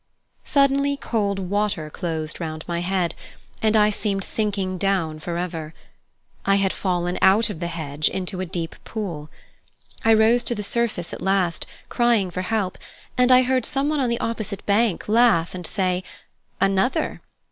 Suddenly cold water closed round my head, and I seemed sinking down for ever. I had fallen out of the hedge into a deep pool. I rose to the surface at last, crying for help, and I heard someone on the opposite bank laugh and say: "Another!"